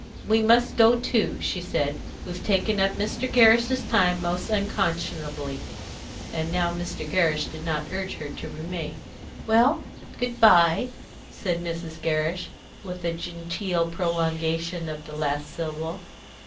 "We must go too," she said. "We've taken up Mr. Gerrish's time most unconscionably," and now Mr. Gerrish did not urge her to remain. "Well, good bye," said Mrs. Gerrish, with a genteel prolongation of the last syllable.